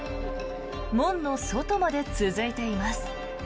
門の外まで続いています。